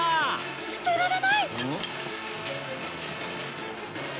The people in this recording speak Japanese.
捨てられない！